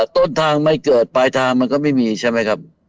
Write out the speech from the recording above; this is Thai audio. ต้นทางไม่เกิดปลายทางมันก็ไม่มีใช่ไหมครับ